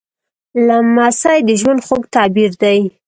لمسی د ژوند خوږ تعبیر دی.